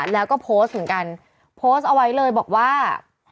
แล้วก็โพสต์เหมือนกันโพสต์เอาไว้เลยบอกว่า